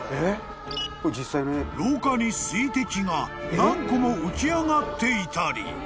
［廊下に水滴が何個も浮き上がっていたり］